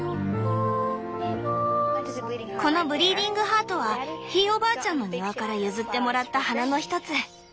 このブリーディングハートはひいおばあちゃんの庭から譲ってもらった花のひとつ。